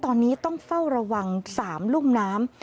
ตอนนี้ต้องเฝ้าระวัง๓รุ่มน้ำ